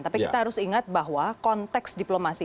tapi kita harus ingat bahwa konteks diplomasi